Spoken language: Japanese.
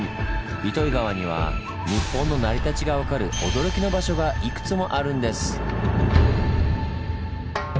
糸魚川には日本の成り立ちが分かる驚きの場所がいくつもあるんです！